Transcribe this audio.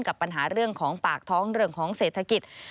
กับปัญหาเรื่องของปากท้องเรื่องของเศรษฐกิจ